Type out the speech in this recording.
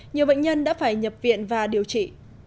nhiều bệnh nhân đã phải nhập viện và điều trị